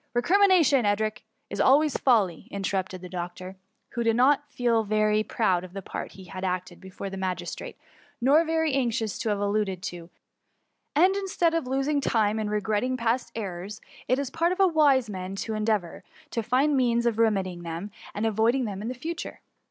" Recrimination, Edric, is always folly," in terrupted the doctor, who did not now feel very proud of the part he had acted before the ma gistrate, nor very anxious to have it alluded to ;—" and instead of losing time in regretting past errors, it is the part of a wise man to en deavour to find means of remedying them, and avoiding them in future.